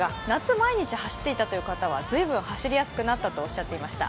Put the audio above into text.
毎日走っていたという方は随分走りやすくなったとおっしゃっていました